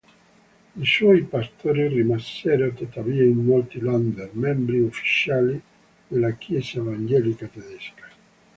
I suoi pastori rimasero tuttavia in molti "Länder" membri ufficiali della Chiesa evangelica tedesca.